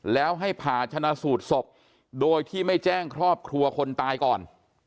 แล้วให้ผ่าชนะสูตรศพโดยที่ไม่แจ้งครอบครัวคนตายก่อน